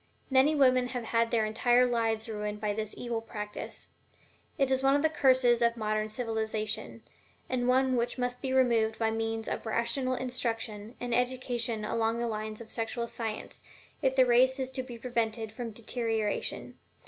Many women have had their entire lives ruined by this evil practice. It is one of the curses of modern civilization, and one which must be removed by means of rational instruction and education along the lines of sexual science if the race is to be prevented from deterioration.